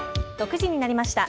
６時になりました。